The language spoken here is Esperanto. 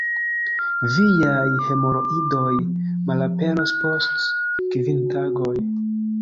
Viaj hemoroidoj malaperos post kvin tagoj.